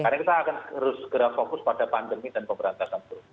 karena kita akan harus segera fokus pada pandemi dan pemerintah